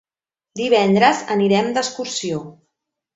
Divendres anirem d'excursió.